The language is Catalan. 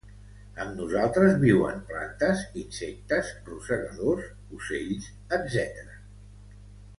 Amb nosaltres viuen plantes, insectes, rosegadors, ocells, etc.